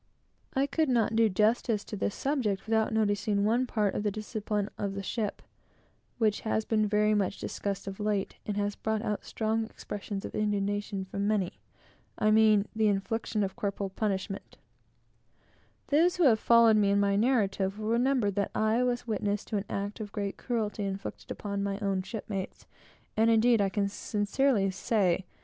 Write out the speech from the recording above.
I could not do justice to this subject without noticing one part of the discipline of a ship, which has been very much discussed of late, and has brought out strong expressions of indignation from many, I mean the infliction of corporal punishment. Those who have followed me in my narrative will remember that I was witness to an act of great cruelty inflicted upon my own shipmates; and indeed I can sincerely say that the simple mention of the word flogging, brings up in me feelings which I can hardly control.